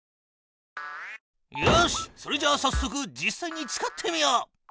よしっそれじゃあさっそく実さいに使ってみよう。